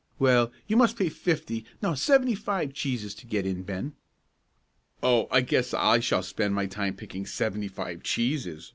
"Well, you must pay fifty, no, seventy five cheeses to get in, Ben." "Oh, I guess I shall spend my time picking seventy five cheeses!"